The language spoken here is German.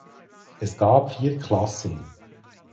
Es gab vier Klassen.